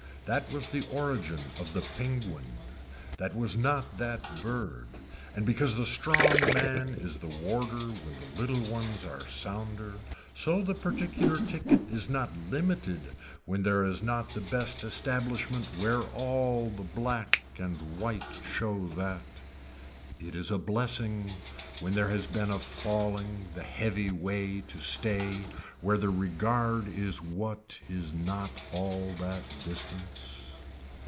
That was the origin of the penguin. That was not that bird. And because the strong man is the warder when the little ones are sounder so the particular ticket is not limited when there is not the best establishment where all the black and white show that. It is a blessing when there has been falling the heavy way to stay where the regard is what is not all that distance.